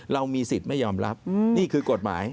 เรามีสิทธิ์ไม่ยอมรับนี่คือกฎหมาย